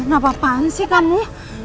lu kenapa apaan sih kamu